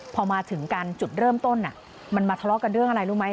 พอมาถึงกันจุดเริ่มต้นมันมาทะเลาะกันเรื่องอะไรรู้ไหม